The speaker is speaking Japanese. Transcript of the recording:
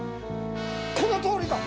このとおりだ。